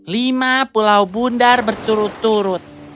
lima pulau bundar berturut turut